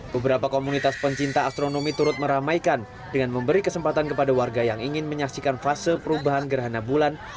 beberapa komunitas pencinta astronomi turut meramaikan dengan memberi kesempatan kepada warga yang ingin menyaksikan fase perubahan gerhana bulan